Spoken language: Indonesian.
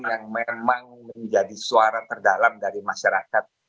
yang memang menjadi suara terdalam dari masyarakat